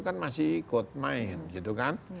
kan masih ikut main